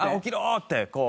ってこう。